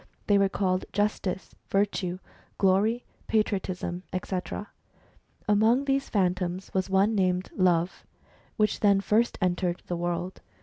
They were called Justice, Virtue, Glory, Patriotism, &c. Among these Phantoms was one named Love, which then first entered the world.